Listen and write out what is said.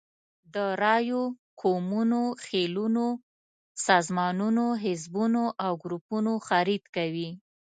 د رایو، قومونو، خېلونو، سازمانونو، حزبونو او ګروپونو خرید کوي.